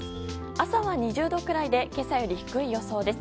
朝は２０度くらいで今朝より低い予想です。